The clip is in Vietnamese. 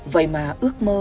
vậy mà ước mơ